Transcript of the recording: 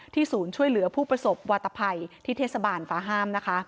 ศูนย์ช่วยเหลือผู้ประสบวาตภัยที่เทศบาลฟ้าห้ามนะคะ